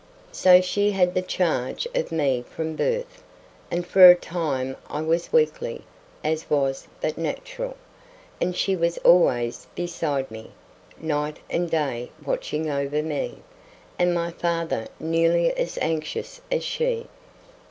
So she had the charge of me from my birth; and for a time I was weakly, as was but natural, and she was always beside me, night and day watching over me, and my father nearly as anxious as she.